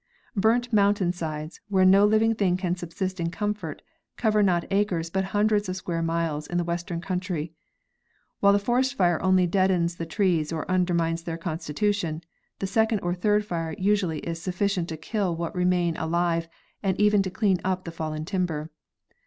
Burnt mountain sides, where no living thing can subsist in comfort, cover not acres but hundreds of square miles in the western country. While the first fire only deadens the trees or under mines their constitution, the second or third fire usually is suf ficient to kill what remain alive and even to clean up the fallen timber.